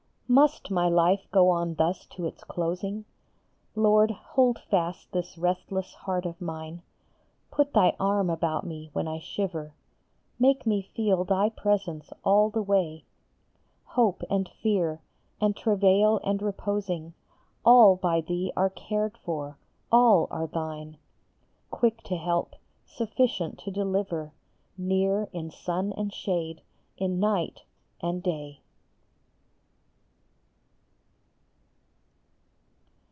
Must my life go on thus to its closing ? Lord, hold fast this restless heart of mine Put thy arm about me when I shiver, Make me feel thy presence all the way. Hope and fear, and travail and reposing, All by thee are cared for, all are thine, Quick to help, sufficient to deliver, Near in sun and shade, in night and day.